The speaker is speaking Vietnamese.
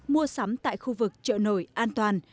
mua sắm tại khu vực trợ nổi an toàn